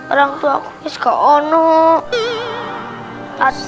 orangtuaku ini tidak ada